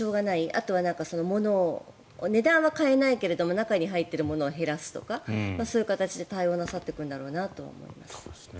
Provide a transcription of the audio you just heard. あとはものの値段は変えないけれど中に入っているものを減らすとか、そういう形で対応なさっていくんだろうと思います。